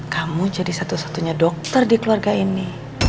kamu jadi satu satunya dokter di keluarga ini